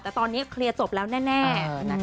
แต่ตอนนี้เคลียร์จบแล้วแน่